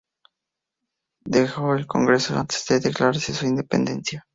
Dejó el congreso antes de que declarase su independencia.